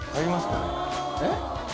えっ？